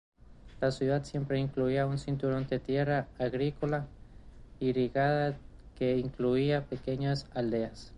La ciudad siempre incluía un cinturón de tierra agrícola irrigada que incluía pequeñas aldeas.